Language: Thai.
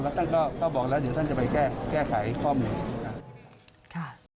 แล้วท่านก็บอกแล้วเดี๋ยวท่านจะไปแก้ไขข้อมูลนะครับ